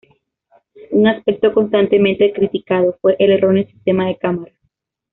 Un aspecto constantemente criticado fue el erróneo sistema de cámara.